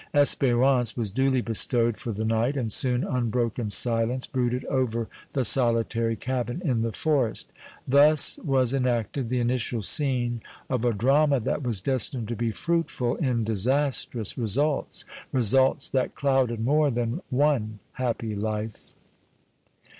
Espérance was duly bestowed for the night, and soon unbroken silence brooded over the solitary cabin in the forest. Thus was enacted the initial scene of a drama that was destined to be fruitful in disastrous results, results that clouded more than one happy life.